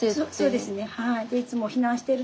そうですねはい。